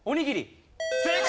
正解！